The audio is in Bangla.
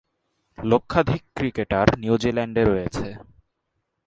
লক্ষাধিক ক্রিকেটার নিউজিল্যান্ডে রয়েছে।